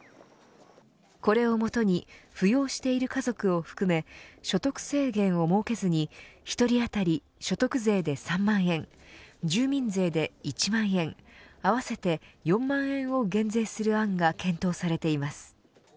これをもとに扶養している家族を含め所得制限を設けずに１人当たり所得税で３万円住民税で１万円合わせて４万円を減税する案が検討されています。